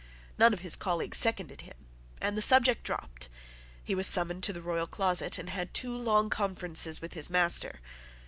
None of his colleagues seconded him; and the subject dropped. He was summoned to the royal closet, and had two long conferences with his master.